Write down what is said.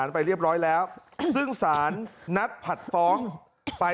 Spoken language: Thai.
ไปเรียบร้อยแล้วซึ่งสารนัดผัดฟ้องไป